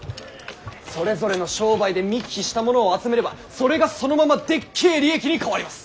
それぞれの商売で見聞きしたものを集めればそれがそのままでっけえ利益に変わります。